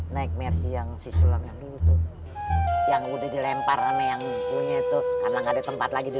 naik mercy yang sisulang yang dulu tuh yang udah dilemparan yang punya itu ada tempat lagi di